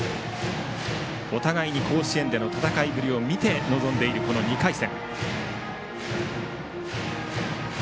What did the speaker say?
お互いに甲子園での戦いぶりを見て臨んでいる、この２回戦。